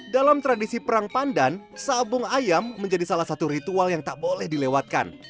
dalam tradisi perang pandan sabung ayam menjadi salah satu ritual yang tak boleh dilewatkan